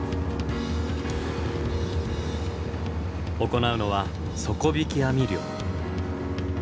行うのは底引き網漁。